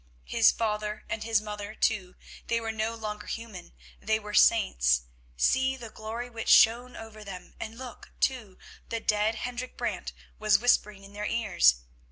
His father and his mother, too; they were no longer human, they were saints—see the glory which shone over them, and look, too, the dead Hendrik Brant was whispering in their ears.